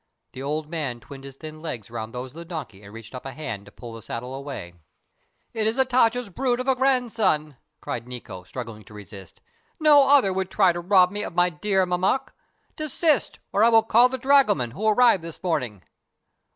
The old man twined his thin legs around those of the donkey and reached up a hand to pull the saddle away. "It is Hatatcha's brute of a grandson!" cried Nikko, struggling to resist. "No other would try to rob me of my dear Mammek. Desist, or I will call the dragoman, who arrived this morning!"